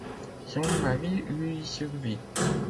Son mari lui survit.